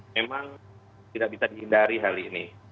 memang tidak bisa dihindari hal ini